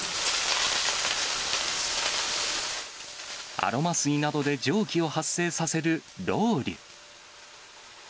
アロマ水などで蒸気を発生させるロウリュ。